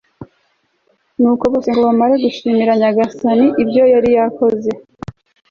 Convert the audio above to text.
nuko bose, ngo bamare gushimira nyagasani ibyo yari yakoze